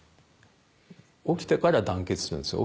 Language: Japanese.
起きてから団結するんですよ